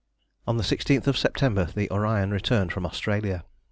On the 16th of September the Orion returned from Australia.